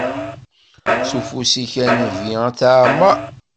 S ufus-ik a Nnbi ad teɛmer.